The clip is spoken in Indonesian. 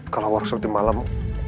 kalau workshop di malang